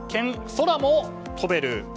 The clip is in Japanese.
空も飛べる。